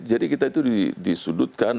jadi kita itu disudutkan